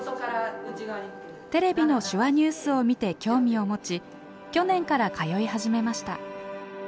テレビの手話ニュースを見て興味を持ち去年から通い始めました。